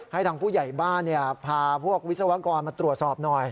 ให้ทางผู้ใหญ่บ้านพาพวกวิศวกรมาตรวจสอบหน่อย